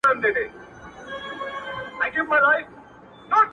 دوی به هم پر یوه بل سترګي را سرې کړي-